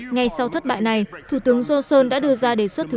ngay sau thất bại này thủ tướng johnson đã đưa ra đề xuất bầu cử